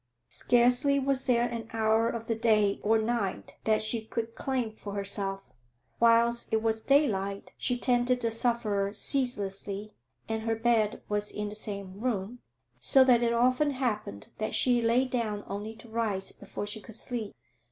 Scarcely was there an hour of the day or night that she could claim for herself; whilst it was daylight she tended the sufferer ceaselessly, and her bed was in the same room, so that it often happened that she lay down only to rise before she could sleep.